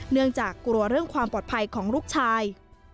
เนื่องจากกลัวเรื่องความปลอดภัยของลูกชาย